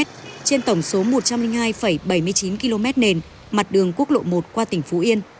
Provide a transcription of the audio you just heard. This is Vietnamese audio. trên tổng số một trăm linh hai bảy mươi chín km nền mặt đường quốc lộ một qua tỉnh phú yên